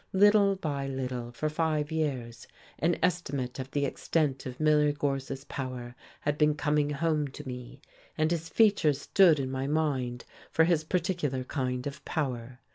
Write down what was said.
Little by little, for five years, an estimate of the extent of Miller Gorse's power had been coming home to me, and his features stood in my mind for his particular kind of power.